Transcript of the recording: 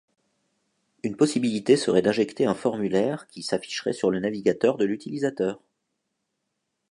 Une possibilité serait d'injecter un formulaire qui s'afficherait sur le navigateur de l'utilisateur.